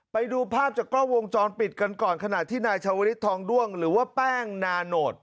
ไปดูภาพจากกล้องวงจรปิดกันก่อนขณะที่นายชาวลิศทองด้วงหรือว่าแป้งนาโนต